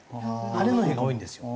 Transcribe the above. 晴れの日が多いんですよ。